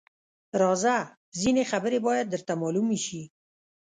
_راځه! ځينې خبرې بايد درته مالومې شي.